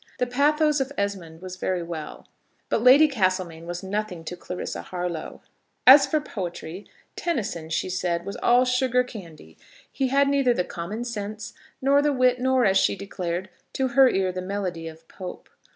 The pathos of Esmond was very well, but Lady Castlemaine was nothing to Clarissa Harlowe. As for poetry, Tennyson, she said, was all sugar candy; he had neither the common sense, nor the wit, nor, as she declared, to her ear the melody of Pope.